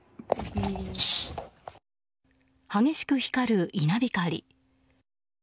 激しく光る稲光。